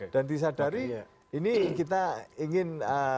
dan disadari ini kita ingin